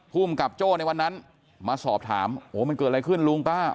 ภูมิกับโจ้ในวันนั้นมาสอบถามโอ้มันเกิดอะไรขึ้นลุงป้า